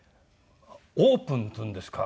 オープンっていうんですか。